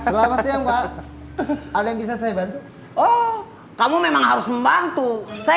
selamat siang pak ada yang bisa saya bantu oh kamu memang harus membantu saya